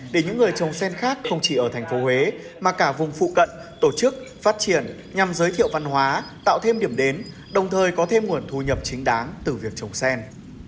để những người trồng sen khác không chỉ ở thành phố huế mà cả vùng phụ cận tổ chức phát triển nhằm giới thiệu văn hóa tạo thêm điểm đến đồng thời có thêm nguồn thu nhập chính đáng từ việc trồng sen